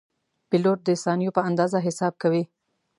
پیلوټ د ثانیو په اندازه حساب کوي.